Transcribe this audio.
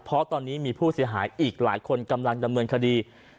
เพราะตอนนี้มีผู้เสียหายอีกหลายคนกำลังดำเนินคดี